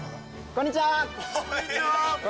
こんにちは！